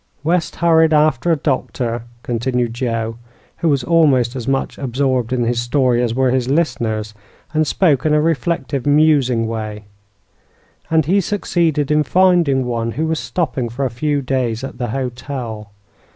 "West hurried after a doctor," continued Joe, who was almost as much absorbed in his story as were his listeners, and spoke in a reflective, musing way, "and he succeeded in finding one who was stopping for a few days at the hotel.